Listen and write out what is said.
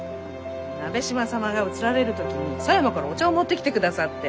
鍋島様が移られる時に狭山からお茶を持ってきてくださって。